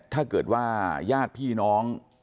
ถ้าเกิดว่าย่าพี่น้อง